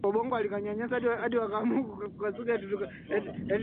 sekondari Alisoma kidato cha kwanza na cha pili mwaka elfu moja mia tisa tisini